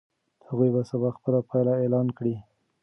هغوی به سبا خپله پایله اعلان کړي.